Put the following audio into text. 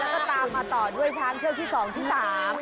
แล้วก็ตามมาต่อด้วยช้างเชือกที่สองที่สาม